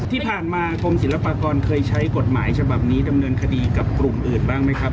ที่ผ่านมากรมศิลปากรเคยใช้กฎหมายฉบับนี้ดำเนินคดีกับกลุ่มอื่นบ้างไหมครับ